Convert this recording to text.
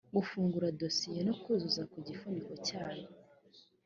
gufungura dosiye no kuzuza ku gifuniko cyayo